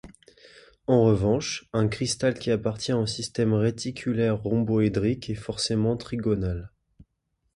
En revanche, un cristal qui appartient au système réticulaire rhomboédrique est forcément trigonal.